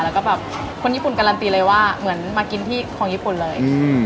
แล้วก็แบบคนญี่ปุ่นการันตีเลยว่าเหมือนมากินที่ของญี่ปุ่นเลย